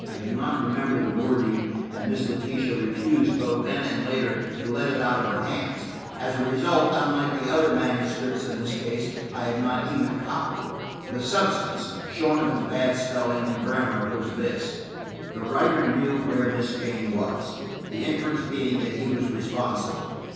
I do not remember the wording, and Miss Letitia refused, both then and later, to let it out of her hands. As a result, unlike the other manuscripts in this case, I have not even a copy. The substance, shorn of its bad spelling and grammar, was this: The writer knew where Miss Jane was; the inference being that he was responsible.